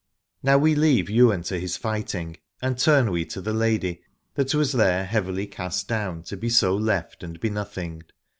Now leave we Ywain to his fighting and turn we to the lady, that was there heavily cast down to be so left and benothinged.